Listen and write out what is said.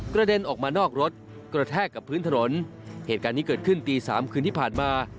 เด็นออกมานอกรถกระแทกกับพื้นถนนเหตุการณ์นี้เกิดขึ้นตีสามคืนที่ผ่านมา